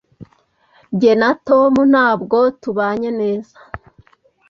Jye na Tom ntabwo tubanye neza.